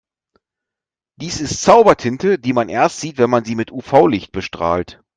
Dies ist Zaubertinte, die man erst sieht, wenn man sie mit UV-Licht bestrahlt.